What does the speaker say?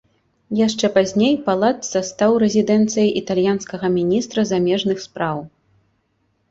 Яшчэ пазней палацца стаў рэзідэнцыяй італьянскага міністра замежных спраў.